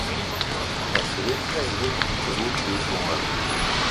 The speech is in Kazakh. Әсіре қызыл тез оңар.